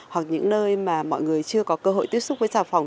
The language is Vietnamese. hoặc những nơi mà mọi người chưa có cơ hội tiếp xúc với xà phòng